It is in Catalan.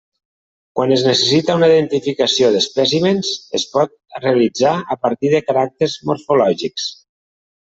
Quan es necessita una identificació d'espècimens, es pot realitzar a partir de caràcters morfològics.